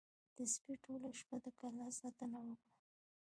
د سپي ټوله شپه د کلا ساتنه وکړه.